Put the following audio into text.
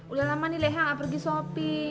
udah lama nih leha gak pergi shopee